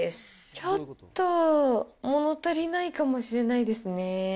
ちょっともの足りないかもしれないですね。